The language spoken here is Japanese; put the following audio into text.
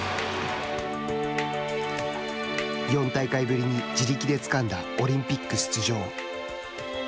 ４大会ぶりに自力でつかんだオリンピック出場。